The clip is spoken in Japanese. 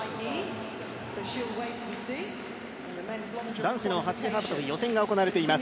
男子の走り幅跳び予選が行われています。